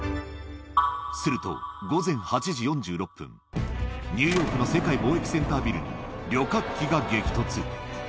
すると、午前８時４６分、ニューヨークの世界貿易センタービルに旅客機が激突。